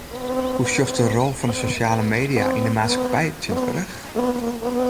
Hoe sjochst de rol fan sosjale media yn de maatskippij fan tsjintwurdich?